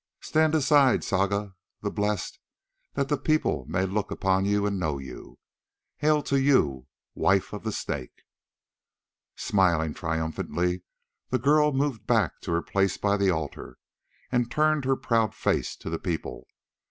Stand aside, Saga, the blessed, that the people may look upon you and know you. Hail to you, wife of the Snake!" Smiling triumphantly the girl moved back to her place by the altar, and turned her proud face to the people.